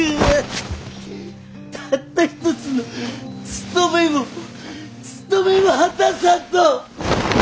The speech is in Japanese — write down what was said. たった一つのつとめもつとめも果たさんと！